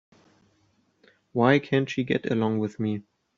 Why can't she get along with me?